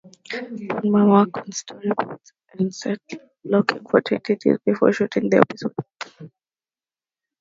Bowman worked on storyboards and set blocking for twenty days before shooting the episode.